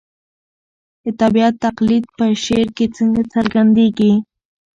د طبیعت تقلید په شعر کې څنګه څرګندېږي؟